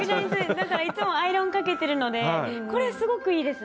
だからいつもアイロンかけてるのでこれすごくいいですね。